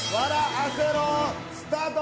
アセろスタート！